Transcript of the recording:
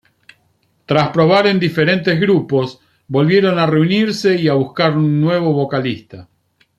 Tras probar en diferentes grupos, volvieron a reunirse y a buscar un nuevo vocalista.